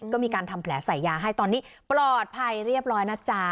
ก็มีการทำแผลใส่ยาให้ตอนนี้ปลอดภัยเรียบร้อยนะจ๊ะ